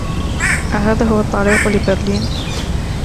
أهذا هو الطريق لبرلين؟